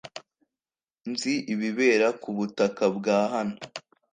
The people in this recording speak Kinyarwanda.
Nzi ibibera kubutaka bwa hano .